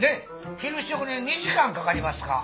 昼食に２時間かかりますか？